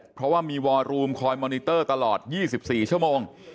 เพราะว่ามีวอรูมคอยมอนิเตอร์ตลอด๒๔ชั่วโมง